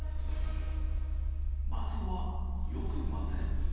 まずはよく混ぜる。